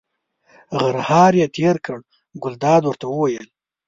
غرهار یې تېر کړ، ګلداد ورته وویل.